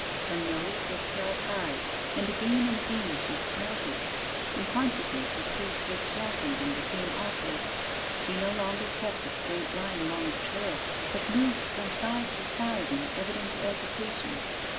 Her nose was held high, and again and again she snorted. In consequence her pace was slackened and became awkward. She no longer kept a straight line along the trail, but moved from side to side in evident agitation.